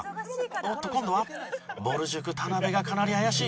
おっと今度はぼる塾田辺がかなり怪しい。